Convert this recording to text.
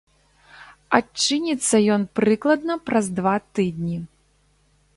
Адчыніцца ён прыкладна праз два тыдні.